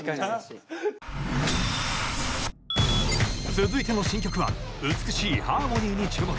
続いての新曲は美しいハーモニーに注目。